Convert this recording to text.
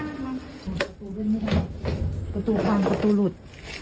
ประตูกลางประตูหลุด